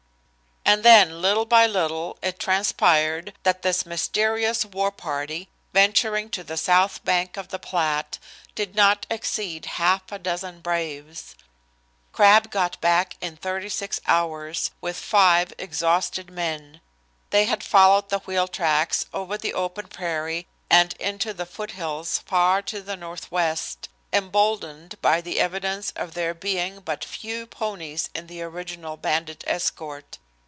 And then, little by little, it transpired that this mysterious war party, venturing to the south bank of the Platte, did not exceed half a dozen braves. Crabb got back in thirty six hours, with five exhausted men. They had followed the wheel tracks over the open prairie and into the foothills far to the Northwest, emboldened by the evidence of there being but few ponies in the original bandit escort.